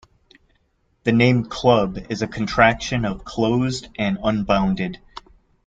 The name "club" is a contraction of "closed and unbounded".